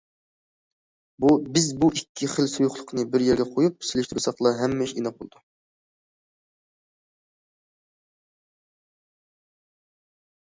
بىز بۇ ئىككى خىل سۇيۇقلۇقنى بىر يەرگە قويۇپ سېلىشتۇرساقلا، ھەممە ئىش ئېنىق بولىدۇ.